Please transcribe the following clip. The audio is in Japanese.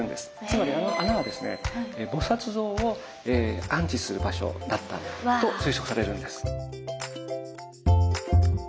つまりあの穴はですね菩像を安置する場所だったと推測されるんです。